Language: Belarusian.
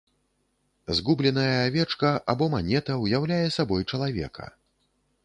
Згубленая авечка або манета ўяўляе сабой чалавека.